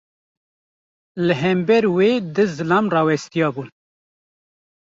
Li hember wê du zilam rawestiyabûn.